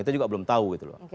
kita juga belum tahu gitu loh